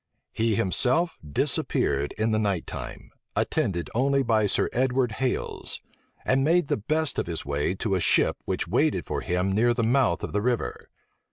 He himself disappeared in the night time, attended only by Sir Edward Hales; and made the best of his way to a ship which waited for him near the mouth of the river.